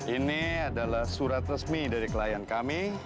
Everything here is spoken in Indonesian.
ini adalah surat resmi dari klien kami